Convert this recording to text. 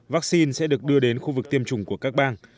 vaccine sẽ được đưa đến khu vực tiêm chủng của các bang